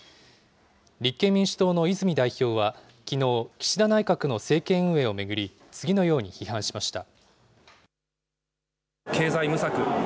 立憲民主党の泉代表は、きのう、岸田内閣の政権運営を巡り、次のように批判しました。